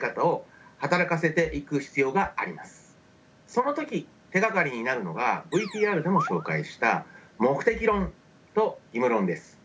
その時手がかりになるのがＶＴＲでも紹介した目的論と義務論です。